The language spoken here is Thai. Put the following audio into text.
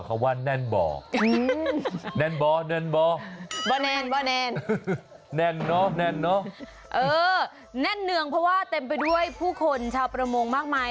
ช่วงนี้นี่เป็นที่บอกเขาว่านั่นบ่อนั่นบ่อนั่นนุ่งเพราะว่าเต็มไปด้วยผู้คนชาวประมงมากมาย